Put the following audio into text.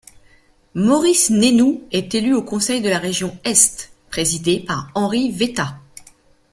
Maurice Nénou est élu au conseil de la Région Est, présidé par Henri Wetta.